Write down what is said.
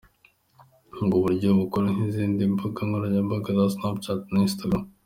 Ubwo buryo bukora nk'izindi mbuga nkoranyambaga za Snapchat na Instagram.